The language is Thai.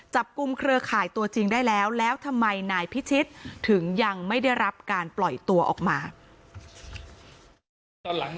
เครือข่ายตัวจริงได้แล้วแล้วทำไมนายพิชิตถึงยังไม่ได้รับการปล่อยตัวออกมา